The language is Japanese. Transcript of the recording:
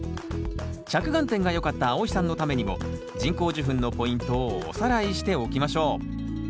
着眼点がよかったあおいさんのためにも人工授粉のポイントをおさらいしておきましょう。